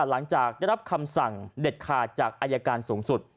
หลังจากได้รับคำสั่งเด็ดขาดจากอายการสูงสุด